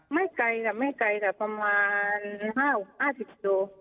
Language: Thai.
ไม่ไกลครับไม่ไกลครับประมาณ๕๕๐โต